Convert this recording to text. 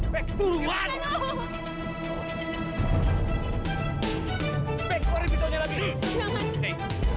sampai jumpa di video selanjutnya